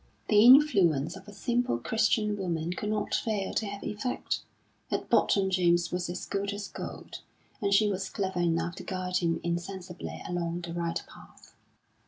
The influence of a simple Christian woman could not fail to have effect; at bottom James was as good as gold, and she was clever enough to guide him insensibly along the right path.